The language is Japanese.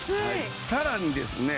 さらにですね